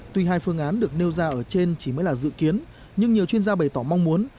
tuy hai phương án được nêu ra ở trên chỉ mới là dự kiến nhưng nhiều chuyên gia bày tỏ mong muốn